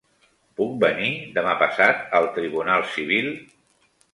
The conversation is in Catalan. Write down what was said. Puc venir demà passat al tribunal civil?